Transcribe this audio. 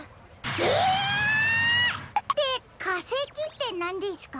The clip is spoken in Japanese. ええっ！ってかせきってなんですか？